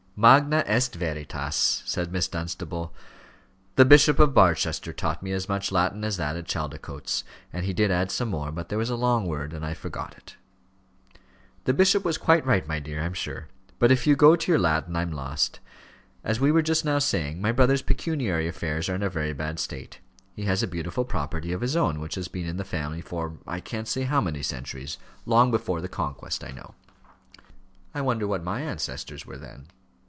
"Magna est veritas," said Miss Dunstable. "The Bishop of Barchester taught me as much Latin as that at Chaldicotes; and he did add some more, but there was a long word, and I forgot it." "The bishop was quite right, my dear, I'm sure. But if you go to your Latin, I'm lost. As we were just now saying, my brother's pecuniary affairs are in a very bad state. He has a beautiful property of his own, which has been in the family for I can't say how many centuries long before the Conquest, I know." "I wonder what my ancestors were then?"